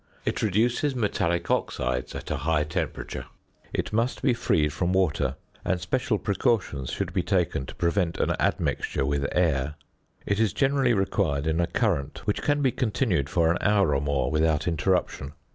It reduces metallic oxides at a high temperature. It must be freed from water; and special precautions should be taken to prevent an admixture with air. It is generally required in a current which can be continued for an hour or more without interruption.